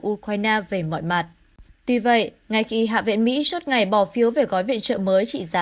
ukraine về mọi mặt tuy vậy ngay khi hạ viện mỹ chốt ngày bỏ phiếu về gói viện trợ mới trị giá